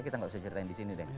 kita gak usah ceritain disini deh